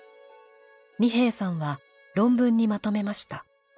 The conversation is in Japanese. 仁平さんは論文にまとめました。